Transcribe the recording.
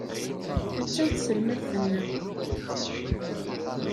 Attan tselmadt-nneɣ.